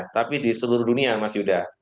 tapi di seluruh dunia mas yuda